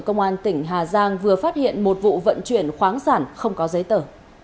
công an tỉnh hà giang vừa phát hiện một vụ vận chuyển khoáng sản không có giấy tờ